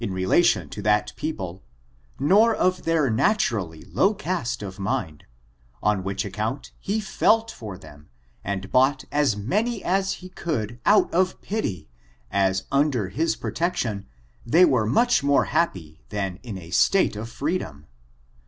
relation to that people, nor of their naturally low ca^t of mind: on which accoimt he felt for them, and bought as many as he could out of pity, as under Ai» protection they were much more happy than in a state of freedom.